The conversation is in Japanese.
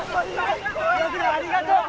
岩倉ありがとう。